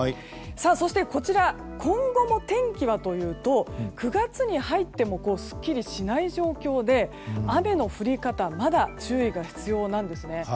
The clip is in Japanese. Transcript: そして、今後の天気はというと９月に入ってもすっきりしない状況で雨の降り方まだ注意が必要なんですね。